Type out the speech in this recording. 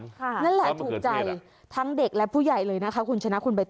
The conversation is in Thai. นั่นแหละถูกใจทั้งเด็กและผู้ใหญ่เลยนะคะคุณชนะคุณใบต